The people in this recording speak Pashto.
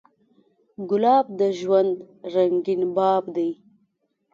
ګلاب د ژوند رنګین باب دی.